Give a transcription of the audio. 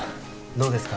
どうですか？